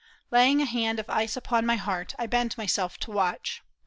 Laying a hand of ice upon my heart I bent myself to watch.